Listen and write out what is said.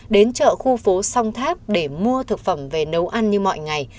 đến chợ khu phố song tháp để mua thực phẩm về nấu ăn như mọi ngày